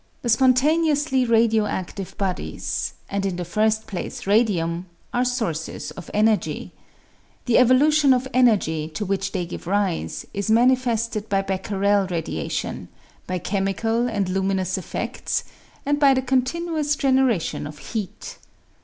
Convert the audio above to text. The spontaneously radio aiftive bodies, and in the first place radium, are sources of energy. The evolution of energy, to which they give rise, is manifested by Becquerel radiation, by chemical and luminous effects, and by the continuous generation of heat.